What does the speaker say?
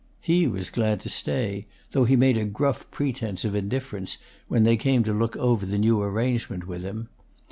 He was glad to stay, though he made a gruff pretence of indifference, when they came to look over the new arrangement with him.